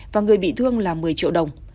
và người bị thương là một mươi triệu đồng